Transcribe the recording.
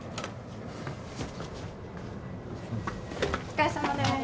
お疲れさまです。